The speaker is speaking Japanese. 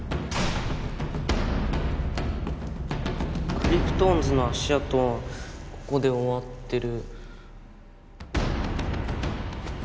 クリプトオンズの足あとはここでおわってる。